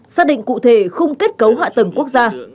xác định cụ thể khung kết cấu hạ tầng quốc gia